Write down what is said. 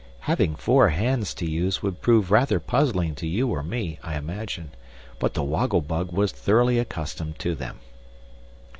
Having four hands to use would prove rather puzzling to you or me, I imagine; but the Woggie Bug was thoroughly accustomed to them.